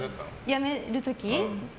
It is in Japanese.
辞める時？